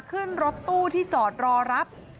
ขึ้นรถตู้ที่จอดรอรับ